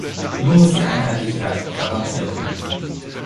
Nur muss die Einheitlichkeit auch garantiert werden.